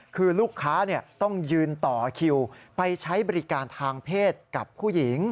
คือลูกค้าต้องยืนต่อคิวไปใช้บริการทางเพศกับผู้หญิง